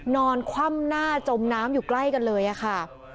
นอนคว่ำหน้าจมน้ำอยู่ใกล้กันเลยค่ะ